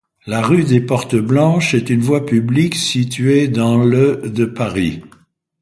La rue des Portes-Blanches est une voie publique située dans le de Paris.